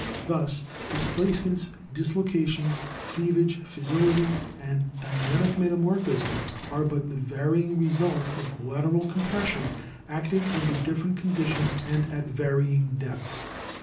Thus dis placements, dislocations, cleavage, fissility and dynamic metamorphism are but the varying results of lateral com pression acting under different conditions and at varying depths.